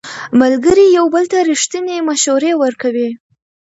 ملګري یو بل ته ریښتینې مشورې ورکوي